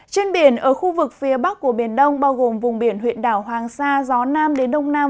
trên biển ở khu vực phía bắc của biển đông bao gồm vùng biển huyện đảo hoàng sa gió nam đến đông nam